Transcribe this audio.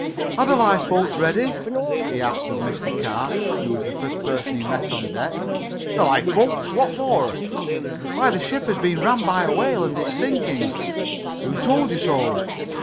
"Are the lifeboats ready?" he asked of Mr. Carr, who was the first person he met on deck. "The lifeboats? What for?" "Why, the ship has been rammed by a whale and is sinking." "Who told you so?"